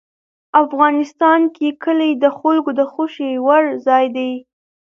افغانستان کې کلي د خلکو د خوښې وړ ځای دی.